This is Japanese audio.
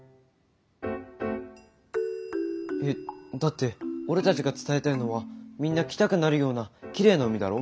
えだって俺たちが伝えたいのはみんな来たくなるようなきれいな海だろ？